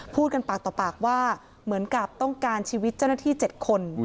พูดกันปากต่อปากว่าเหมือนกับต้องการชีวิตเจ้าหน้าที่๗คน